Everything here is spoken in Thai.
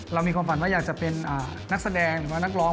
เรามีความฝันว่าอยากจะเป็นนักแสดงหรือว่านักร้อง